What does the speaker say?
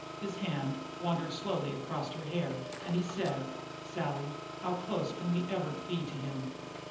His hand wandered slowly across her hair, and he said: "Sally, how close can we ever be to him?"